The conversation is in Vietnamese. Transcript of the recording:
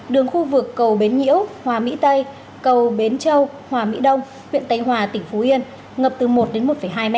đường khu vực cầu bến nhiễu hòa mỹ tây cầu bến châu hòa mỹ đông huyện tây hòa tỉnh phú yên ngập từ một đến một hai m